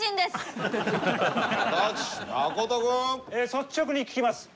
率直に聞きます。